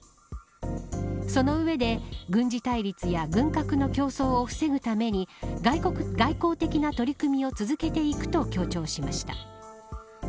その上で、軍事対立や軍拡の競争を防ぐために外交的な取り組みを続けていくと強調しました。